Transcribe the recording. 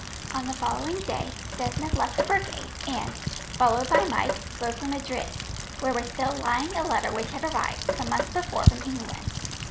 On the following day, Desmond left the brigade, and, followed by Mike, rode for Madrid, where was still lying a letter which had arrived, some months before, from England.